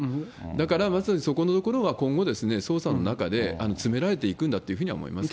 だからまさにそこのところは今後、捜査の中で詰められていくんだというふうに思います。